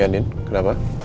ya nid kenapa